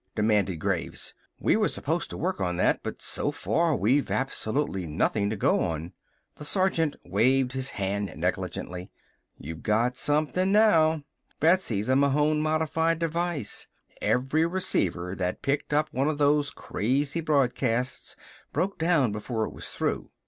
demanded Graves. "We were supposed to work on that but so far we've absolutely nothing to go on!" The sergeant waved his hand negligently. "You got something now. Betsy's a Mahon modified device. Every receiver that picked up one of those crazy broadcasts broke down before it was through.